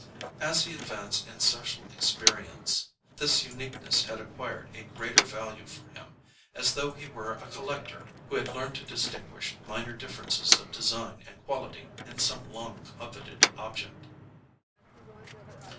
As he advanced in social experience this uniqueness had acquired a greater value for him, as though he were a collector who had learned to distinguish minor differences of design and quality in some long coveted object.